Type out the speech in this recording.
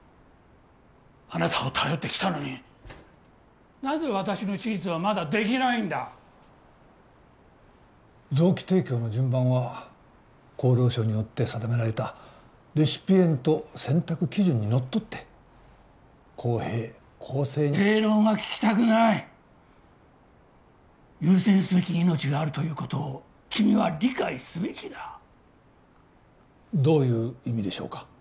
あなたを頼ってきたのになぜ私の手術はまだできないんだ臓器提供の順番は厚労省によって定められたレシピエント選択基準にのっとって公平公正に正論は聞きたくない優先すべき命があるということを君は理解すべきだどういう意味でしょうか？